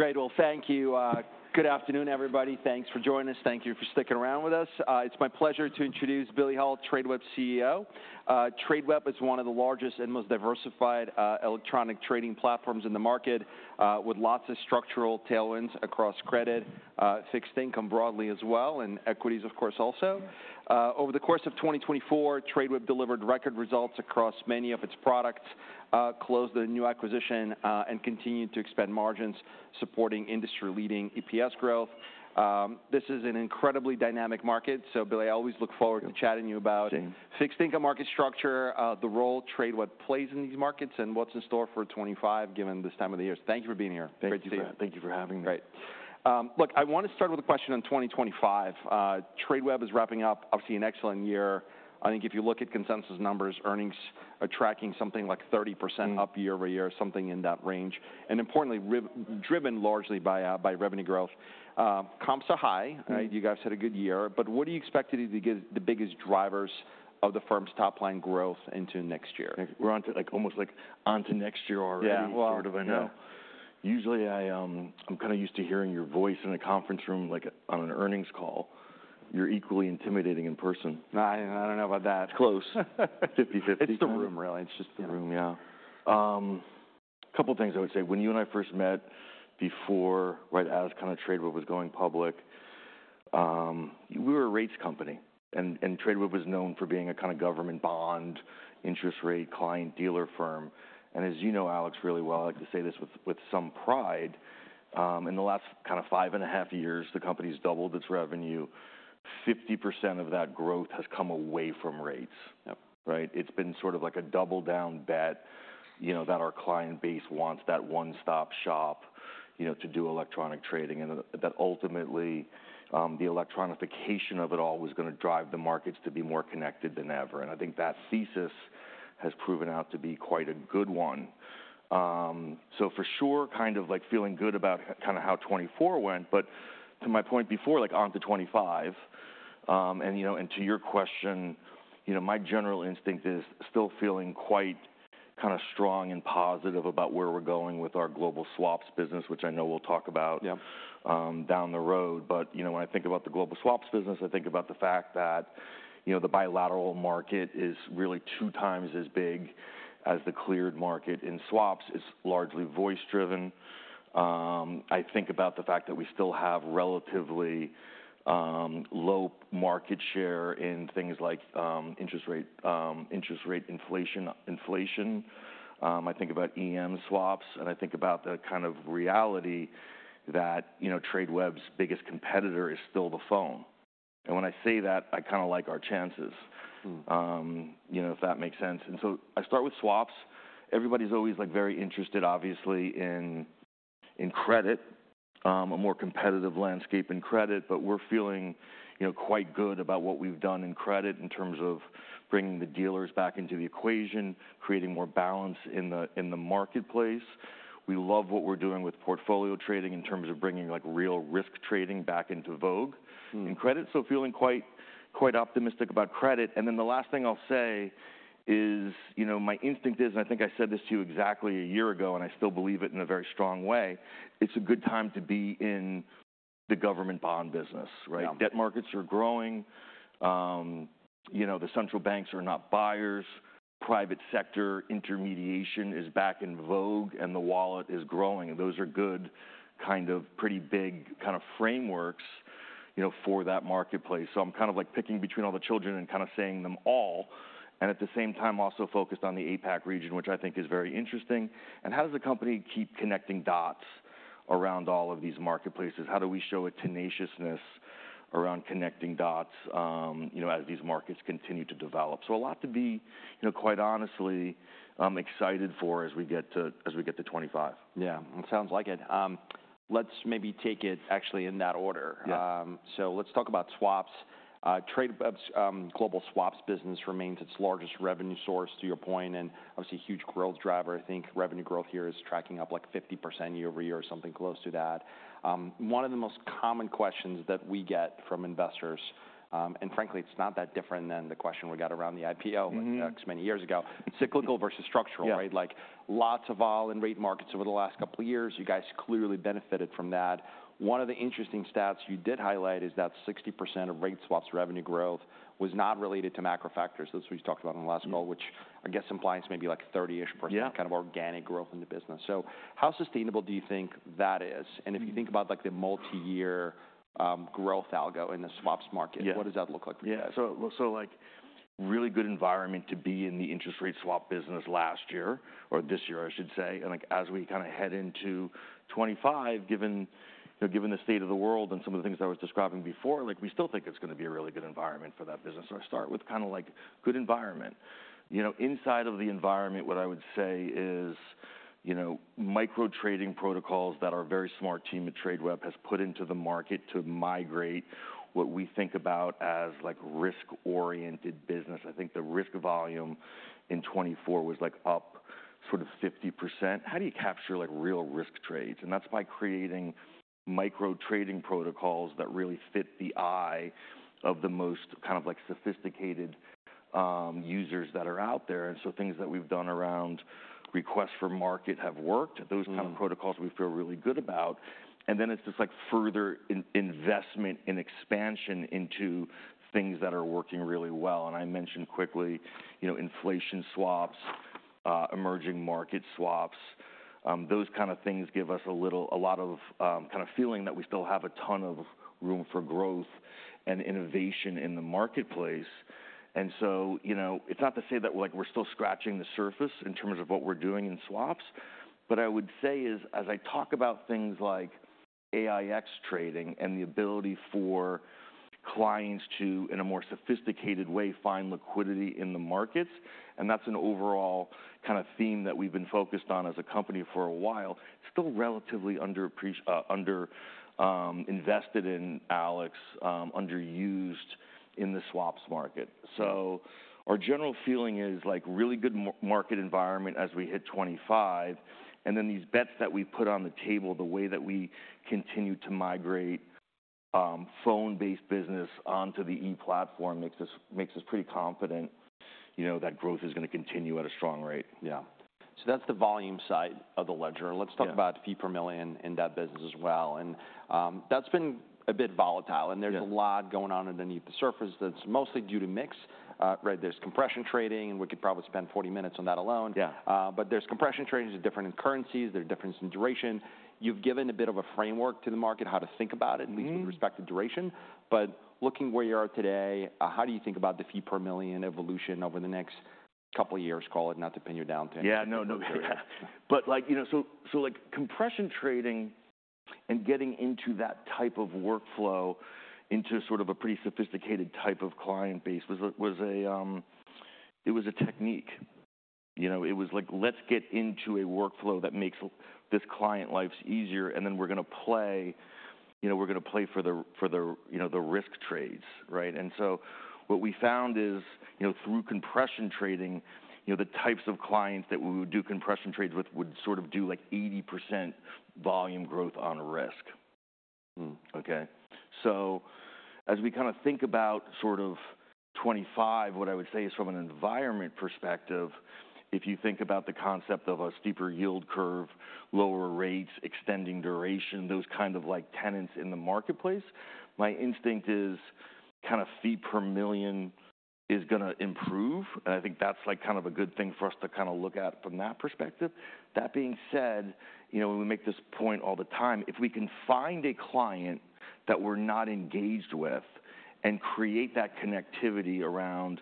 Great. Well, thank you. Good afternoon, everybody. Thanks for joining us. Thank you for sticking around with us. It's my pleasure to introduce Billy Hult, Tradeweb CEO. Tradeweb is one of the largest and most diversified electronic trading platforms in the market, with lots of structural tailwinds across credit, fixed income broadly as well, and equities, of course, also. Over the course of 2024, Tradeweb delivered record results across many of its products, closed a new acquisition, and continued to expand margins, supporting industry-leading EPS growth. This is an incredibly dynamic market. So, Billy, I always look forward to chatting with you about fixed income market structure, the role Tradeweb plays in these markets, and what's in store for 2025 given this time of the year. Thank you for being here. Great to see you. Thank you for having me. Great. Look, I want to start with a question on 2025. Tradeweb is wrapping up, obviously, an excellent year. I think if you look at consensus numbers, earnings are tracking something like 30% up year over year, something in that range, and importantly, driven largely by revenue growth. Comps are high. You guys had a good year. But what do you expect to be the biggest drivers of the firm's top-line growth into next year? We're onto almost like onto next year already, sort of. I know. Usually, I'm kind of used to hearing your voice in a conference room, like on an earnings call. You're equally intimidating in person. I don't know about that. It's close. 50-50. It's the room, really. It's just the room, yeah. A couple of things I would say. When you and I first met, before right as kind of Tradeweb was going public, we were a rates company. And Tradeweb was known for being a kind of government bond, interest rate client dealer firm. And as you know, Alex, really well, I like to say this with some pride, in the last kind of five and a half years, the company's doubled its revenue. 50% of that growth has come away from rates. It's been sort of like a double-down bet that our client base wants that one-stop shop to do electronic trading. And that ultimately, the electronification of it all was going to drive the markets to be more connected than ever. And I think that thesis has proven out to be quite a good one. For sure, kind of like feeling good about kind of how 2024 went, but to my point before, like onto 2025, and to your question, my general instinct is still feeling quite kind of strong and positive about where we're going with our global swaps business, which I know we'll talk about down the road. When I think about the global swaps business, I think about the fact that the bilateral market is really two times as big as the cleared market in swaps. It's largely voice-driven. I think about the fact that we still have relatively low market share in things like interest rate inflation. I think about EM swaps, and I think about the kind of reality that Tradeweb's biggest competitor is still the phone. When I say that, I kind of like our chances, if that makes sense, and so I start with swaps. Everybody's always very interested, obviously, in credit, a more competitive landscape in credit. But we're feeling quite good about what we've done in credit in terms of bringing the dealers back into the equation, creating more balance in the marketplace. We love what we're doing with portfolio trading in terms of bringing real risk trading back into vogue and credit. So, feeling quite optimistic about credit. And then the last thing I'll say is my instinct is, and I think I said this to you exactly a year ago, and I still believe it in a very strong way, it's a good time to be in the government bond business. Debt markets are growing. The central banks are not buyers. Private sector intermediation is back in vogue. And the wallet is growing. And those are good, kind of pretty big kind of frameworks for that marketplace. So, I'm kind of like picking between all the children and kind of saying them all. And at the same time, I'm also focused on the APAC Region, which I think is very interesting. And how does the company keep connecting dots around all of these marketplaces? How do we show a tenaciousness around connecting dots as these markets continue to develop? So a lot to be quite honestly excited for as we get to 2025. Yeah. It sounds like it. Let's maybe take it actually in that order so let's talk about swaps. Tradeweb's global swaps business remains its largest revenue source, to your point, and obviously a huge growth driver. I think revenue growth here is tracking up like 50% year over year or something close to that. One of the most common questions that we get from investors, and frankly, it's not that different than the question we got around the IPO many years ago, cyclical versus structural, like lots of volume in rate markets over the last couple of years. You guys clearly benefited from that. One of the interesting stats you did highlight is that 60% of rate swaps revenue growth was not related to macro factors. That's what we talked about in the last call, which I guess implies maybe like 30-ish % kind of organic growth in the business. So how sustainable do you think that is? And if you think about the multi-year growth algo in the swaps market, what does that look like for you guys? Yeah. So really good environment to be in the interest rate swap business last year, or this year, I should say. And as we kind of head into 2025, given the state of the world and some of the things I was describing before, we still think it's going to be a really good environment for that business. So I start with kind of like good environment. Inside of the environment, what I would say is micro trading protocols that our very smart team at Tradeweb has put into the market to migrate what we think about as risk-oriented business. I think the risk volume in 2024 was up sort of 50%. How do you capture real risk trades? And that's by creating micro trading protocols that really fit the eye of the most kind of sophisticated users that are out there. And so things that we've done around request for market have worked. Those kind of protocols we feel really good about. And then it's just like further investment and expansion into things that are working really well. And I mentioned quickly inflation swaps, emerging market swaps. Those kind of things give us a lot of kind of feeling that we still have a ton of room for growth and innovation in the marketplace. And so it's not to say that we're still scratching the surface in terms of what we're doing in swaps. But I would say is, as I talk about things like AiEX trading and the ability for clients to, in a more sophisticated way, find liquidity in the markets. And that's an overall kind of theme that we've been focused on as a company for a while. Still relatively underinvested in, Alex, underused in the swaps market. Our general feeling is like really good market environment as we hit 2025. And then these bets that we put on the table, the way that we continue to migrate phone-based business onto the e-platform makes us pretty confident that growth is going to continue at a strong rate. Yeah. So that's the volume side of the ledger. Let's talk about fee per million in that business as well. And that's been a bit volatile. And there's a lot going on underneath the surface that's mostly due to mix. There's compression trading. And we could probably spend 40 minutes on that alone. But there's compression trading to different currencies. There are differences in duration. You've given a bit of a framework to the market how to think about it, at least with respect to duration. But looking where you are today, how do you think about the fee per million evolution over the next couple of years, call it, not to pin you down to anything? Yeah, no, no. But so compression trading and getting into that type of workflow into sort of a pretty sophisticated type of client base was a technique. It was like, let's get into a workflow that makes this client life easier. And then we're going to play for the risk trades. And so what we found is through compression trading, the types of clients that we would do compression trades with would sort of do like 80% volume growth on risk. So as we kind of think about sort of 2025, what I would say is from an environment perspective, if you think about the concept of a steeper yield curve, lower rates, extending duration, those kind of like tenets in the marketplace, my instinct is kind of fee per million is going to improve. I think that's like kind of a good thing for us to kind of look at from that perspective. That being said, we make this point all the time. If we can find a client that we're not engaged with and create that connectivity around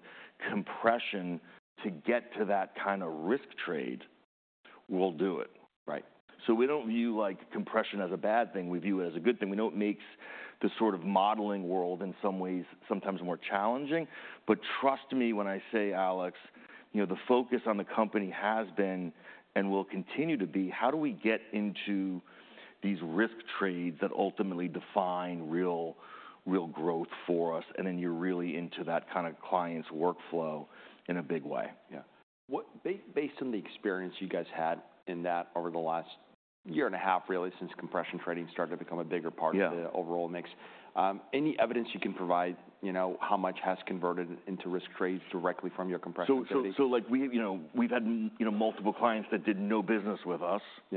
compression to get to that kind of risk trade, we'll do it. So we don't view compression as a bad thing. We view it as a good thing. We know it makes the sort of modeling world in some ways sometimes more challenging. But trust me when I say, Alex, the focus on the company has been and will continue to be, how do we get into these risk trades that ultimately define real growth for us? And then you're really into that kind of client's workflow in a big way. Yeah. Based on the experience you guys had in that over the last year and a half, really, since compression trading started to become a bigger part of the overall mix, any evidence you can provide how much has converted into risk trades directly from your compression trading? We've had multiple clients that did no business with us. It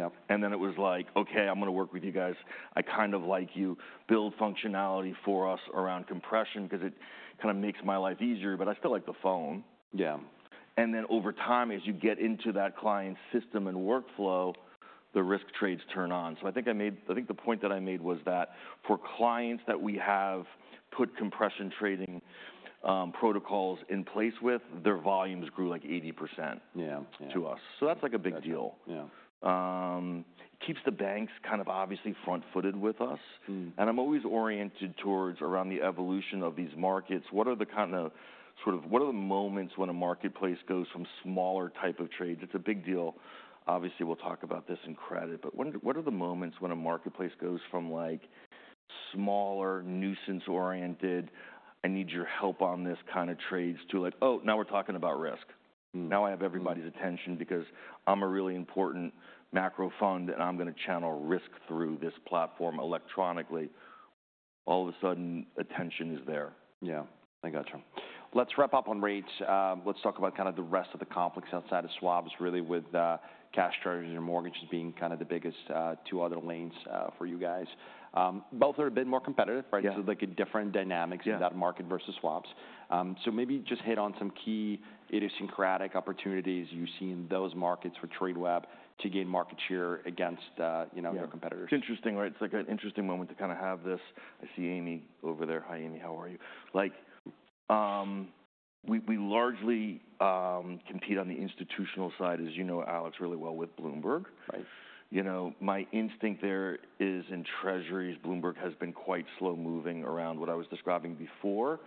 was like, OK, I'm going to work with you guys. I kind of like you build functionality for us around compression because it kind of makes my life easier. I still like the phone. Yeah. Over time, as you get into that client's system and workflow, the risk trades turn on. I think the point that I made was that for clients that we have put compression trading protocols in place with, their volumes grew like 80% to us. That's like a big deal. It keeps the banks kind of obviously front-footed with us. I'm always oriented towards around the evolution of these markets. What are the kind of sort of moments when a marketplace goes from smaller type of trades? It's a big deal. Obviously, we'll talk about this in credit, but what are the moments when a marketplace goes from like smaller, nuisance-oriented, I need your help on this kind of trades to like, oh, now we're talking about risk? Now I have everybody's attention because I'm a really important macro fund, and I'm going to channel risk through this platform electronically. All of a sudden, attention is there. Yeah. I gotcha. Let's wrap up on rates. Let's talk about kind of the rest of the complex outside of swaps, really, with cash Treasuries and Mortgages being kind of the biggest two other lanes for you guys. Both are a bit more competitive. So like different dynamics in that market versus swaps. So maybe just hit on some key idiosyncratic opportunities you see in those markets for Tradeweb to gain market share against your competitors. It's interesting. It's like an interesting moment to kind of have this. I see Amy over there. Hi, Amy. How are you? We largely compete on the institutional side, as you know, Alex, really well with Bloomberg. My instinct there is in treasuries, Bloomberg has been quite slow moving around what I was describing before,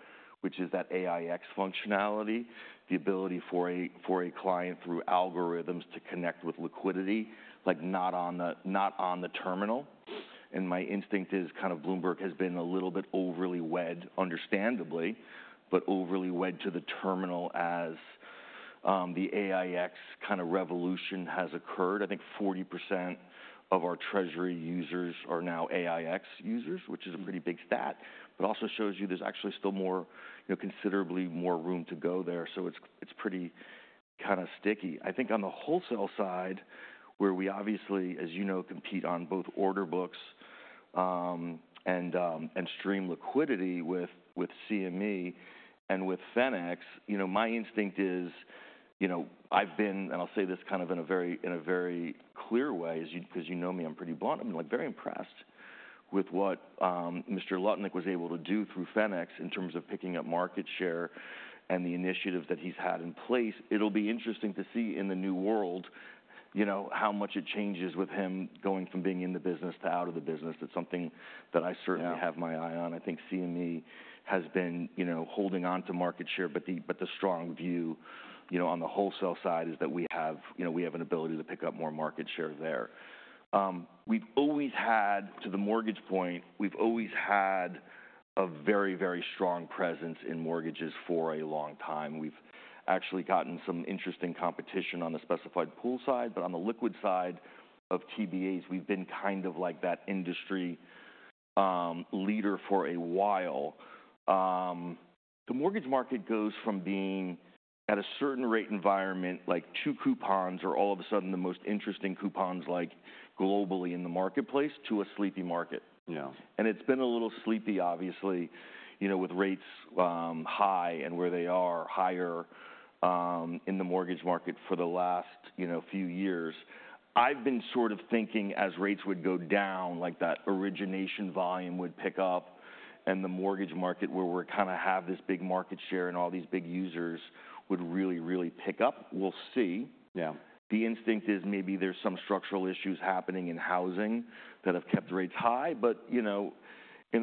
which is that AiEX functionality, the ability for a client through algorithms to connect with liquidity, like not on the terminal, and my instinct is kind of Bloomberg has been a little bit overly wedded, understandably, but overly wedded to the terminal as the AiEX kind of revolution has occurred. I think 40% of our treasury users are now AiEX users, which is a pretty big stat, but also shows you there's actually still considerably more room to go there, so it's pretty kind of sticky. I think on the Wholesale Side, where we obviously, as you know, compete on both Order Books and Stream Liquidity with CME and with FMX, my instinct is I've been, and I'll say this kind of in a very clear way, because you know me, I'm pretty blunt. I'm very impressed with what Mr. Lutnick was able to do through FMX in terms of picking up market share and the initiative that he's had in place. It'll be interesting to see in the new world how much it changes with him going from being in the business to out of the business. That's something that I certainly have my eye on. I think CME has been holding on to market share. But the strong view on the wholesale side is that we have an ability to pick up more market share there. We've always had, to the mortgage point, we've always had a very, very strong presence in mortgages for a long time. We've actually gotten some interesting competition on the specified pool side. But on the Liquid Side of TBAs, we've been kind of like that industry leader for a while. The mortgage market goes from being at a certain rate environment, like two coupons, or all of a sudden the most interesting coupons globally in the marketplace, to a sleepy market, and it's been a little sleepy, obviously, with rates high and where they are higher in the mortgage market for the last few years. I've been sort of thinking as rates would go down, like that origination volume would pick up, and the mortgage market where we're kind of have this big market share and all these big users would really, really pick up. We'll see. The instinct is maybe there's some structural issues happening in housing that have kept rates high. But in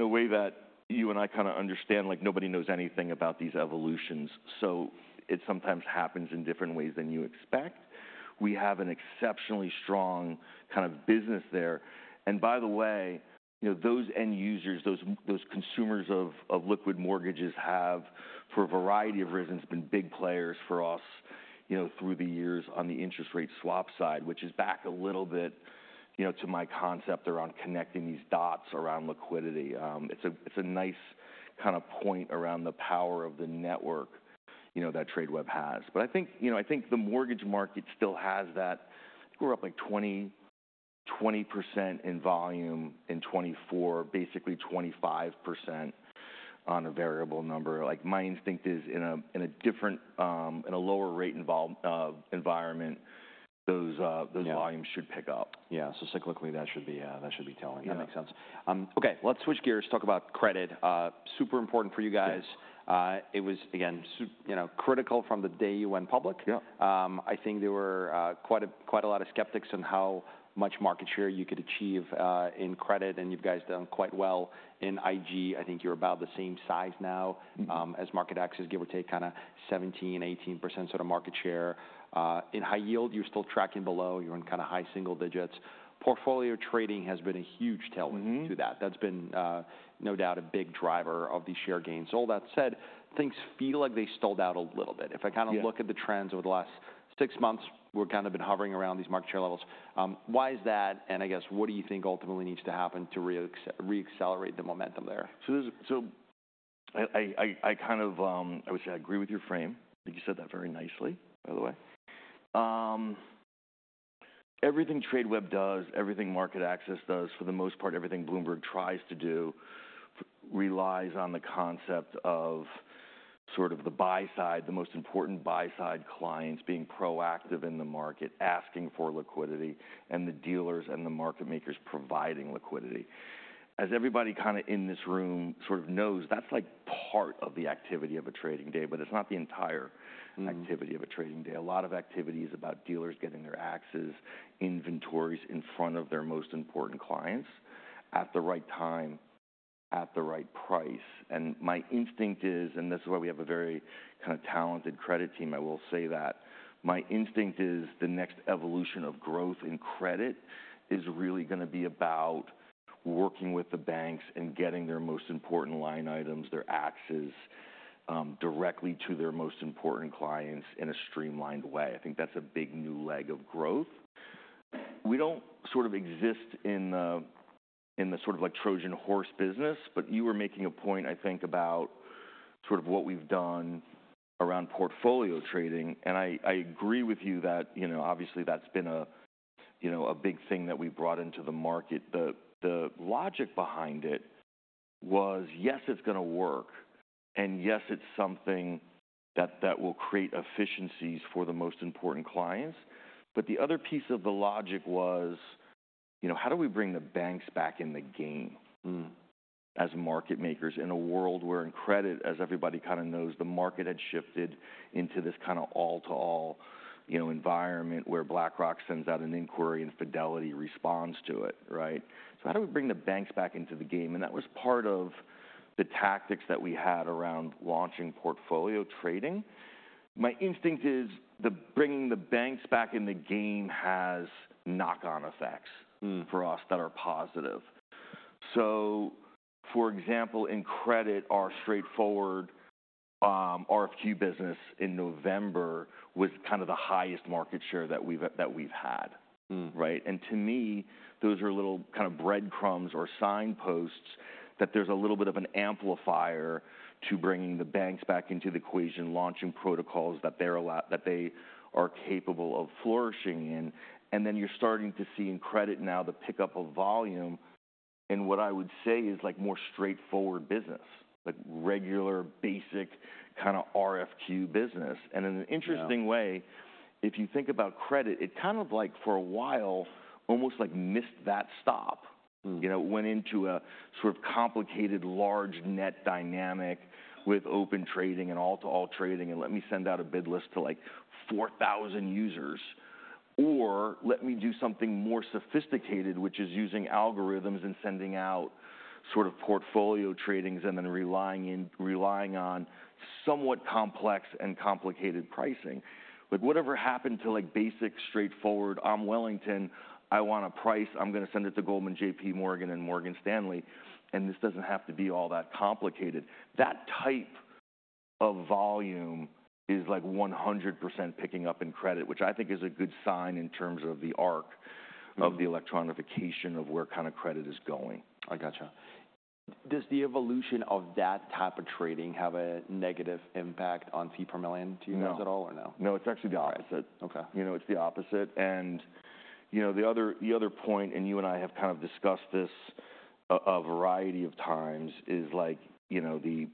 a way that you and I kind of understand, like nobody knows anything about these evolutions. So it sometimes happens in different ways than you expect. We have an exceptionally strong kind of business there. And by the way, those end users, those consumers of liquid mortgages have, for a variety of reasons, been big players for us through the years on the interest rate swap side, which is back a little bit to my concept around connecting these dots around liquidity. It's a nice kind of point around the power of the network that Tradeweb has. But I think the mortgage market still has that. We're up like 20% in volume in 2024, basically 25% on a variable number. Like my instinct is in a lower rate environment, those volumes should pick up. Yeah. So cyclically, that should be telling. That makes sense. OK, let's switch gears. Talk about credit. Super important for you guys. It was, again, critical from the day you went public. I think there were quite a lot of skeptics on how much market share you could achieve in credit. And you guys have done quite well in IG. I think you're about the same size now as MarketAxess, give or take kind of 17%-18% sort of market share. In high yield, you're still tracking below. You're in kind of high single digits. Portfolio trading has been a huge tailwind to that. That's been no doubt a big driver of the share gains. All that said, things feel like they stalled out a little bit. If I kind of look at the trends over the last six months, we've kind of been hovering around these market share levels. Why is that? And I guess, what do you think ultimately needs to happen to reaccelerate the momentum there? So I kind of, I would say I agree with your frame. You said that very nicely, by the way. Everything Tradeweb does, everything MarketAxess does, for the most part, everything Bloomberg tries to do relies on the concept of sort of the buy side, the most important buy side clients being proactive in the market, asking for liquidity, and the dealers and the market makers providing liquidity. As everybody kind of in this room sort of knows, that's like part of the activity of a trading day. But it's not the entire activity of a trading day. A lot of activity is about dealers getting their axes, inventories in front of their most important clients at the right time, at the right price. And my instinct is, and this is why we have a very kind of talented credit team, I will say that. My instinct is the next evolution of growth in credit is really going to be about working with the banks and getting their most important line items, their axes, directly to their most important clients in a streamlined way. I think that's a big new leg of growth. We don't sort of exist in the sort of like Trojan Horse Business. But you were making a point, I think, about sort of what we've done around portfolio trading. And I agree with you that obviously that's been a big thing that we've brought into the market. The logic behind it was, yes, it's going to work. And yes, it's something that will create efficiencies for the most important clients. But the other piece of the logic was, how do we bring the banks back in the game as market makers in a world where in credit, as everybody kind of knows, the market had shifted into this kind of all-to-all environment where BlackRock sends out an inquiry and Fidelity responds to it. So how do we bring the banks back into the game? And that was part of the tactics that we had around launching portfolio trading. My instinct is bringing the banks back in the game has knock-on effects for us that are positive. So for example, in credit, our straightforward RFQ Business in November was kind of the highest market share that we've had. To me, those are little kind of breadcrumbs or signposts that there's a little bit of an amplifier to bringing the banks back into the equation, launching protocols that they are capable of flourishing in. Then you're starting to see in credit now the pickup of volume in what I would say is like more straightforward business, like regular basic kind of RFQ business. In an interesting way, if you think about credit, it kind of like for a while almost like missed that stop. It went into a sort of complicated large net dynamic with Open Trading and all-to-all trading. Let me send out a bid list to like 4,000 users. Or let me do something more sophisticated, which is using algorithms and sending out sort of portfolio trading and then relying on somewhat complex and complicated pricing. but whatever happened to basic, straightforward? I'm Wellington. I want a price. I'm going to send it to Goldman, J.P. Morgan, and Morgan Stanley. and this doesn't have to be all that complicated. That type of volume is like 100% picking up in credit, which I think is a good sign in terms of the arc of the electronification of where kind of credit is going. I gotcha. Does the evolution of that type of trading have a negative impact on fee per million to you guys at all or no? No, it's actually the opposite. It's the opposite, and the other point, and you and I have kind of discussed this a variety of times, is like the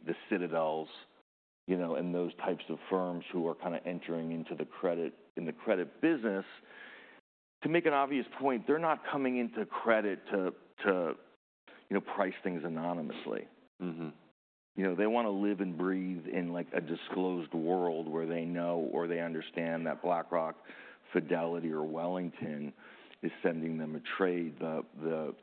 Citadel and those types of firms who are kind of entering into the credit business. To make an obvious point, they're not coming into credit to price things anonymously. They want to live and breathe in like a disclosed world where they know or they understand that BlackRock, Fidelity, or Wellington is sending them a trade. The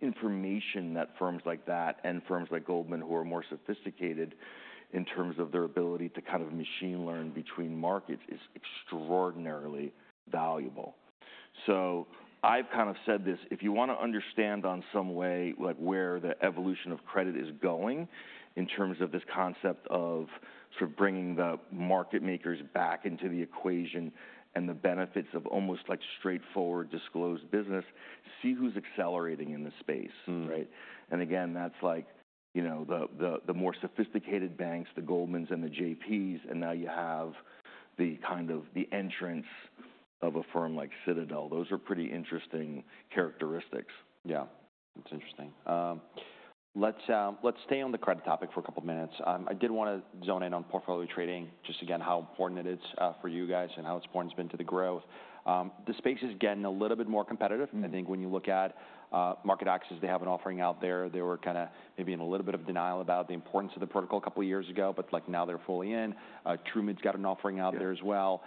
information that firms like that and firms like Goldman, who are more sophisticated in terms of their ability to kind of machine learn between markets, is extraordinarily valuable, so I've kind of said this. If you want to understand on some way where the evolution of credit is going in terms of this concept of sort of bringing the market makers back into the equation and the benefits of almost like straightforward disclosed business, see who's accelerating in the space. And again, that's like the more sophisticated banks, the Goldmans and the J.P.s. And now you have the kind of the entrance of a firm like Citadel. Those are pretty interesting characteristics. Yeah. That's interesting. Let's stay on the credit topic for a couple of minutes. I did want to zone in on portfolio trading, just again how important it is for you guys and how important it's been to the growth. The space is getting a little bit more competitive. I think when you look at MarketAxess, they have an offering out there. They were kind of maybe in a little bit of denial about the importance of the protocol a couple of years ago. But like now they're fully in. Trumid's got an offering out there as well.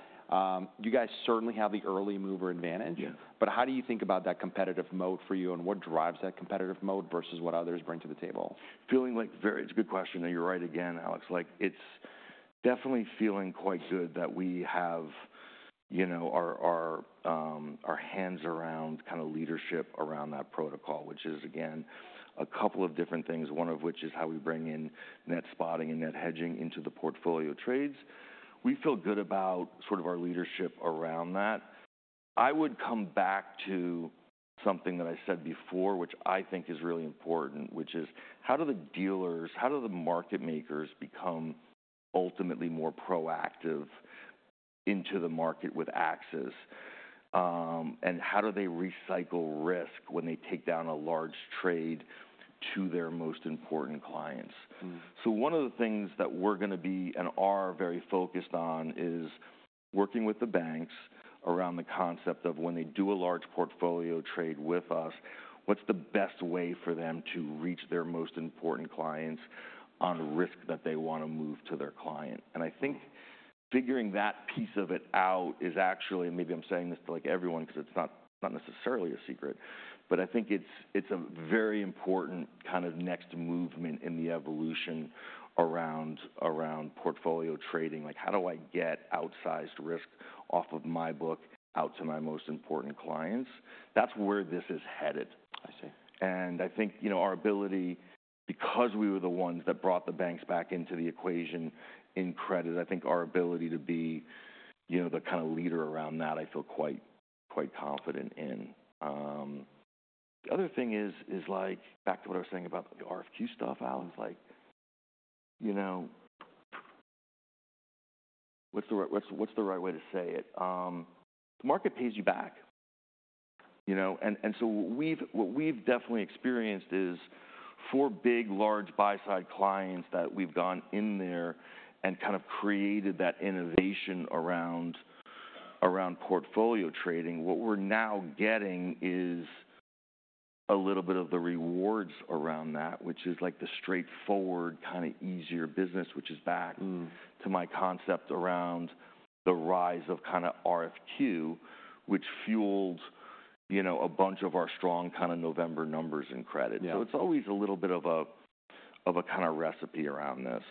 You guys certainly have the early mover advantage. But how do you think about that competitive moat for you? And what drives that competitive moat versus what others bring to the table? Feeling like it's a good question, and you're right again, Alex. It's definitely feeling quite good that we have our hands around kind of leadership around that protocol, which is, again, a couple of different things, one of which is how we bring in net spotting and net hedging into the portfolio trades. We feel good about sort of our leadership around that. I would come back to something that I said before, which I think is really important, which is how do the dealers, how do the market makers become ultimately more proactive into the market with AiEX? And how do they recycle risk when they take down a large trade to their most important clients? So one of the things that we're going to be and are very focused on is working with the banks around the concept of when they do a large portfolio trade with us. What's the best way for them to reach their most important clients on risk that they want to move to their client? And I think figuring that piece of it out is actually, and maybe I'm saying this to like everyone because it's not necessarily a secret. But I think it's a very important kind of next movement in the evolution around portfolio trading. Like how do I get outsized risk off of my book out to my most important clients? That's where this is headed. I see. I think our ability, because we were the ones that brought the banks back into the equation in credit, I think our ability to be the kind of leader around that, I feel quite confident in. The other thing is like back to what I was saying about the RFQ stuff, Alex. What's the right way to say it? The market pays you back. So what we've definitely experienced is for big, large buy side clients that we've gone in there and kind of created that innovation around portfolio trading, what we're now getting is a little bit of the rewards around that, which is like the straightforward kind of easier business, which is back to my concept around the rise of kind of RFQ, which fueled a bunch of our strong kind of November numbers in credit. It's always a little bit of a kind of recipe around this.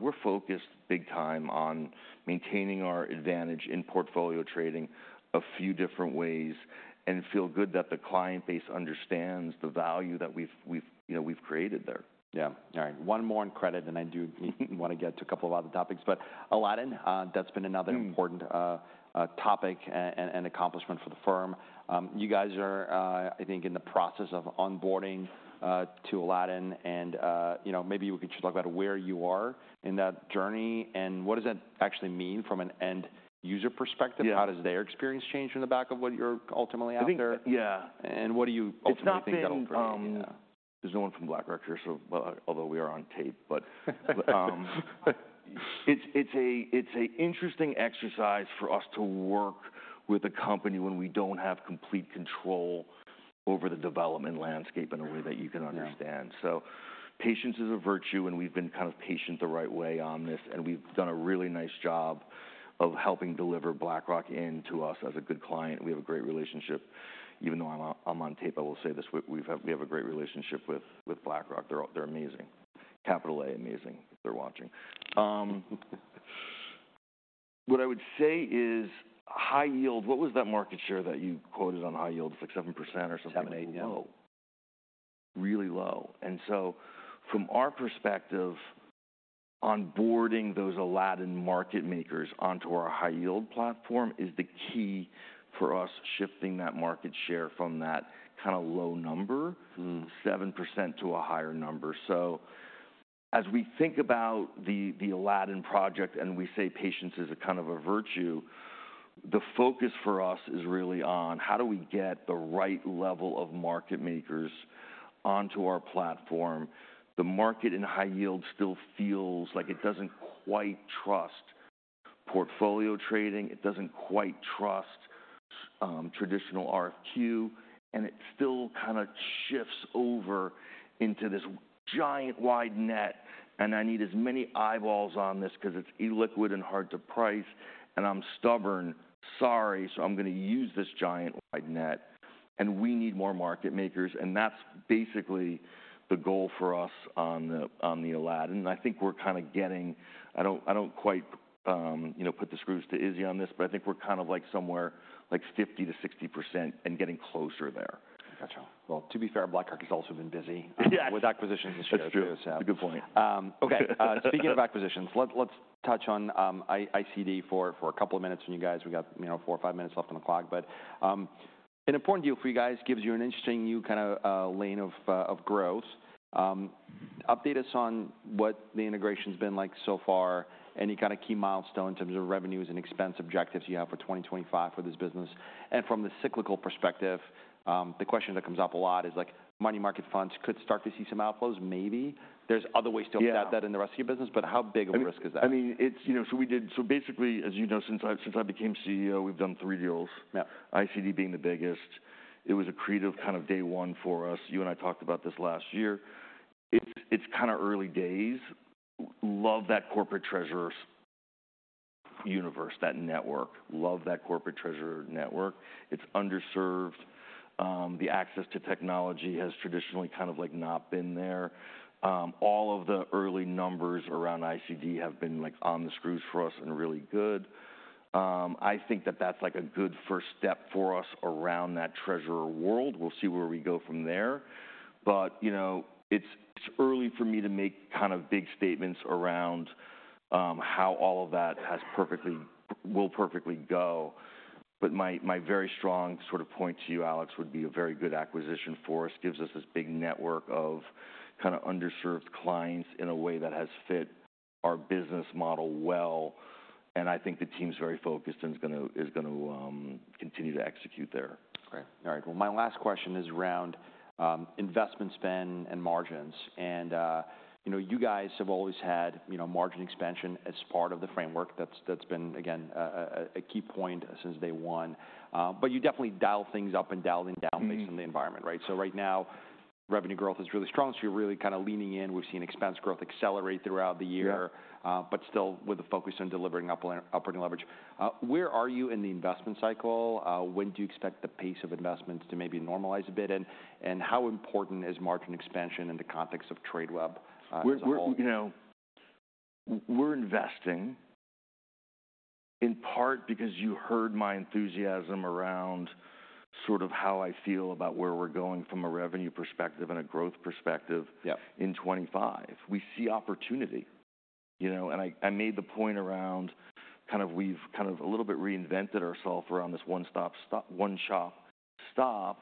We're focused big time on maintaining our advantage in portfolio trading a few different ways and feel good that the client base understands the value that we've created there. Yeah. All right. One more on credit, and I do want to get to a couple of other topics, but Aladdin, that's been another important topic and accomplishment for the firm. You guys are, I think, in the process of onboarding to Aladdin. And maybe we could just talk about where you are in that journey. And what does that actually mean from an end user perspective? How does their experience change from the back of what you're ultimately out there? Yeah. What are you ultimately thinking? There's nothing from BlackRock here, although we are on tape. But it's an interesting exercise for us to work with a company when we don't have complete control over the development landscape in a way that you can understand. So patience is a virtue. And we've been kind of patient the right way on this. And we've done a really nice job of helping deliver BlackRock into us as a good client. We have a great relationship. Even though I'm on tape, I will say this. We have a great relationship with BlackRock. They're amazing. Capital A, amazing. They're watching. What I would say is high yield. What was that market share that you quoted on high yield? It's like 7% or something. 7%, 8%. Really low, and so from our perspective, onboarding those Aladdin market makers onto our high yield platform is the key for us shifting that market share from that kind of low number, 7%, to a higher number, so as we think about the Aladdin project and we say patience is a kind of a virtue, the focus for us is really on how do we get the right level of market makers onto our platform. The market in high yield still feels like it doesn't quite trust portfolio trading. It doesn't quite trust traditional RFQ, and it still kind of shifts over into this giant wide net, and I need as many eyeballs on this because it's illiquid and hard to price, and I'm stubborn. Sorry, so I'm going to use this giant wide net, and we need more market makers. That's basically the goal for us on the Aladdin. I think we're kind of getting. I don't quite put the screws to Izzy on this. I think we're kind of like somewhere like 50%-60% and getting closer there. Gotcha. Well, to be fair, BlackRock has also been busy with acquisitions this year. That's true. Yeah. Good point. OK. Speaking of acquisitions, let's touch on ICD for a couple of minutes when you guys. We've got four or five minutes left on the clock. But an important deal for you guys gives you an interesting new kind of lane of growth. Update us on what the integration has been like so far, any kind of key milestone in terms of revenues and expense objectives you have for 2025 for this business. And from the cyclical perspective, the question that comes up a lot is like money market funds could start to see some outflows. Maybe. There's other ways to apply that in the rest of your business. But how big of a risk is that? I mean, so basically, as you know, since I became CEO, we've done three deals. ICD being the biggest. It was a creative kind of day one for us. You and I talked about this last year. It's kind of early days. Love that corporate treasury universe, that network. Love that corporate treasury network. It's underserved. The access to technology has traditionally kind of like not been there. All of the early numbers around ICD have been like on the screws for us and really good. I think that that's like a good first step for us around that treasury world. We'll see where we go from there. But it's early for me to make kind of big statements around how all of that will perfectly go. But my very strong sort of point to you, Alex, would be a very good acquisition for us. Gives us this big network of kind of underserved clients in a way that has fit our business model well, and I think the team's very focused and is going to continue to execute there. Great. All right. Well, my last question is around investment spend and margins. And you guys have always had margin expansion as part of the framework. That's been, again, a key point since day one. But you definitely dial things up and dialing down based on the environment, right? So right now, revenue growth is really strong. So you're really kind of leaning in. We've seen expense growth accelerate throughout the year, but still with a focus on delivering upward leverage. Where are you in the investment cycle? When do you expect the pace of investments to maybe normalize a bit? And how important is margin expansion in the context of Tradeweb? We're investing in part because you heard my enthusiasm around sort of how I feel about where we're going from a revenue perspective and a growth perspective in 2025. We see opportunity. And I made the point around kind of we've kind of a little bit reinvented ourselves around this one stop, one shop stop.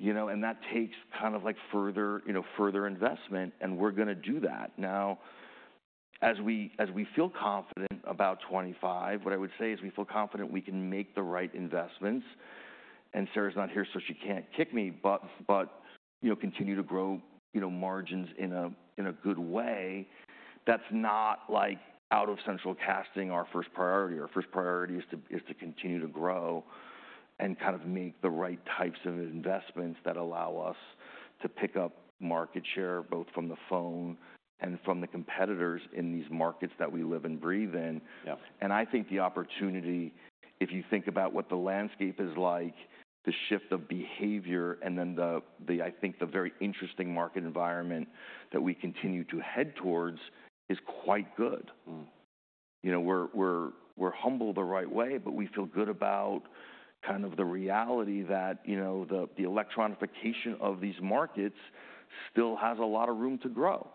And that takes kind of like further investment. And we're going to do that. Now, as we feel confident about 2025, what I would say is we feel confident we can make the right investments. And Sara's not here, so she can't kick me. But continue to grow margins in a good way. That's not like out of central casting our first priority. Our first priority is to continue to grow and kind of make the right types of investments that allow us to pick up market share both from the phone and from the competitors in these markets that we live and breathe in. And I think the opportunity, if you think about what the landscape is like, the shift of behavior, and then I think the very interesting market environment that we continue to head towards is quite good. We're humbled the right way. But we feel good about kind of the reality that the electronification of these markets still has a lot of room to grow.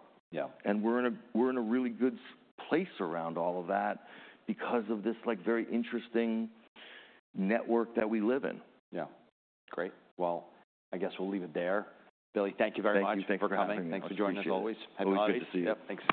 And we're in a really good place around all of that because of this very interesting network that we live in. Yeah. Great. Well, I guess we'll leave it there. Billy, thank you very much for coming. Thank you. Thanks for joining us, as always. Always good to see you. Thanks.